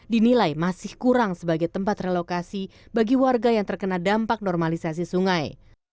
dinilai masih kurang sebagai tempat relokasi bagi warga yang terkena dampak normalisasi sungai